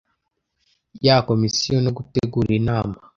ya Komisiyo no gutegura Inama